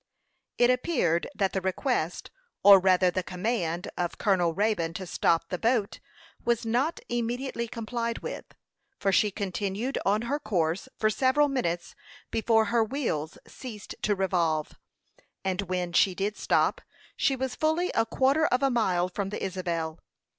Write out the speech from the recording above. It appeared that the request, or rather the command, of Colonel Raybone to stop the boat was not immediately complied with; for she continued on her course for several minutes before her wheels ceased to revolve, and when she did stop she was fully a quarter of a mile from the Isabel.